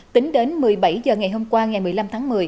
tính đến một mươi bảy h ngày hôm qua ngày một mươi năm tháng một mươi